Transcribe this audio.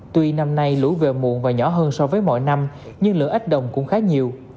tuy năm nay lũ vèo muộn và nhỏ hơn so với mỗi năm nhưng lượng ếch đồng cũng khá nhiều